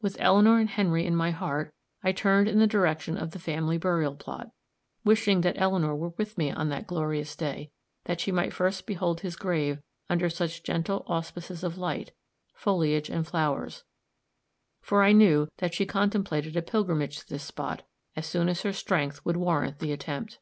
With Eleanor and Henry in my heart, I turned in the direction of the family burial plot, wishing that Eleanor were with me on that glorious day, that she might first behold his grave under such gentle auspices of light, foliage and flowers for I knew that she contemplated a pilgrimage to this spot, as soon as her strength would warrant the attempt.